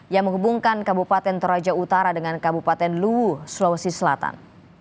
yang menghubungkan kabupaten toraja utara dengan kabupaten luwu sulawesi selatan